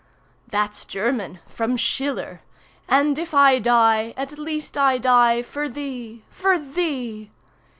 '' "That's German—from Schiller. 'And if I die, at least I die—for thee—for thee!